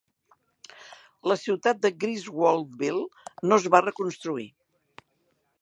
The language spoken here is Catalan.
La ciutat de Griswoldville no es va reconstruir.